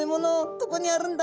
どこにあるんだ？